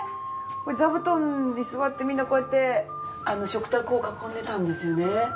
座布団に座ってみんなこうやってあの食卓を囲んでたんですよね。